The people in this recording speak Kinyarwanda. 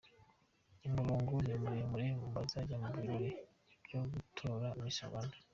Umurongo ni muremure mu bazajya mu birori byo gutora Miss Rwanda.